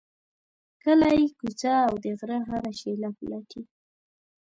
کلی، کوڅه او د غره هره شیله پلټي.